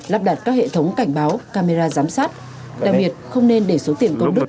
lắp đặt các hệ thống cảnh báo camera giám sát đặc biệt không nên để số tiền có đức